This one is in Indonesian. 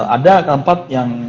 ada tempat yang